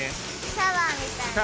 シャワーみたい。